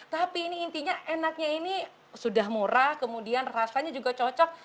tapi ini intinya enaknya ini sudah murah kemudian rasanya juga cocok